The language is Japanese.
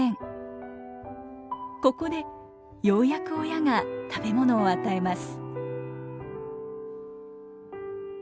ここでようやく親が食べ物を与えます。